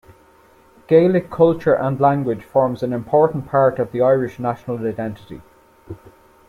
Gaelic culture and language forms an important part of the Irish national identity.